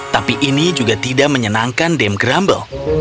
tapi ini juga tidak menyenangkan dame grumble